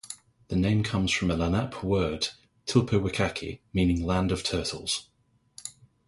The name comes from a Lenape word "Tulpewikaki", meaning "land of turtles".